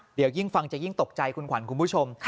เดี๋ยวยิ่งฟังจะยิ่งตกใจคุณขวัญคุณผู้ชม